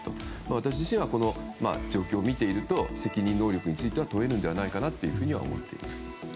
私自身は、この状況を見ていると責任能力については問えるのではないかなというふうに思っています。